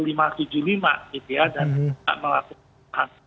dan tidak melakukan perubahan